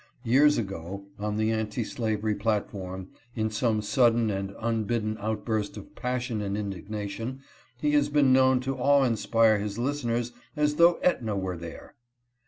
Years ago, on the anti slavery platform, in some sudden and unbidden outburst of passion and indignation, he has been known to awe inspire his lis teners as though iEtna were there.